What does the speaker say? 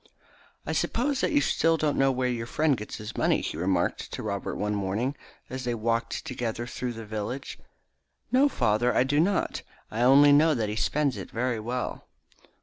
"I suppose that you still don't know where your friend gets his money?" he remarked to Robert one morning, as they walked together through the village. "No, father, I do not. I only know that he spends it very well."